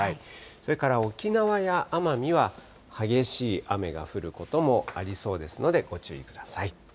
それから沖縄や奄美は、激しい雨が降ることもありそうですのでご注意ください。